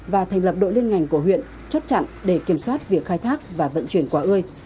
và thành lập đội liên ngành của huyện chốt chặn để kiểm soát việc khai thác và vận chuyển quả ơi